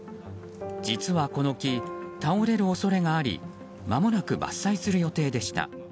実はこの木、倒れる恐れがありまもなく伐採する予定でした。